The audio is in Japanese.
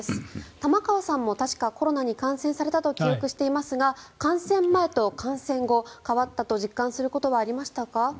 玉川さんも確かコロナに感染されたと記憶していますが感染前と感染後変わったと実感することはありましたか？